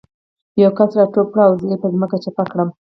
یو کس را ټوپ کړ او زه یې په ځمکه چپه کړم